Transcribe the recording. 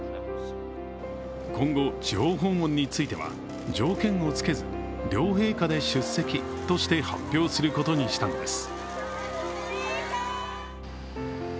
今後、地方訪問については、条件をつけず、両陛下で出席として発表することにしたのです。